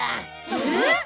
えっ！